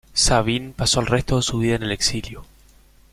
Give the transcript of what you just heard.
Sabin pasó el resto de su vida en el exilio.